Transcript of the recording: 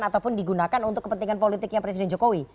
ataupun digunakan untuk kepentingan politiknya presiden jokowi